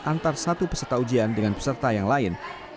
antara satu peserta ujian dengan peserta yang lain